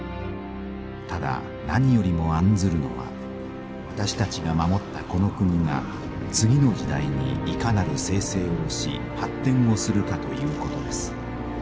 ただ何よりも案ずるのは私たちが守ったこの国が次の時代にいかなる生成をし発展をするかということです。